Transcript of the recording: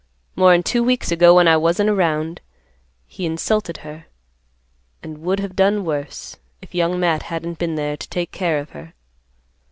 More'n two weeks ago, when I wasn't around, he insulted her, and would have done worse, if Young Matt hadn't been there to take care of her.